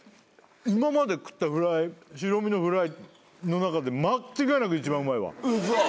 今まで食ったフライ白身のフライの中で間違いなく一番うまいわウソ！？